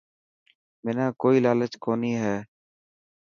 منا ڪوئي لالچ ڪوني هي.